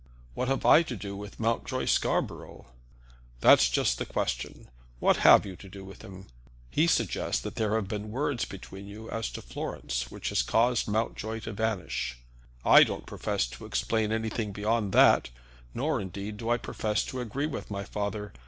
"What have I to do with Mountjoy Scarborough?" "That's just the question. What have you to do with him? He suggests that there have been words between you as to Florence, which has caused Mountjoy to vanish. I don't profess to explain anything beyond that, nor, indeed, do I profess to agree with my father.